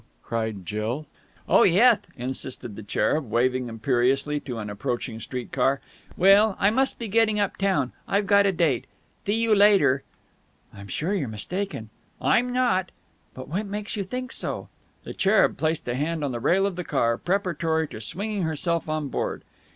cried Jill. "Oh, yeth!" insisted the cherub, waving imperiously to an approaching street car. "Well, I must be getting up town. I've got a date. Thee you later." "I'm sure you're mistaken." "I'm not." "But what makes you think so?" The cherub placed a hand on the rail of the car, preparatory to swinging herself on board.